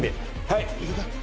はい！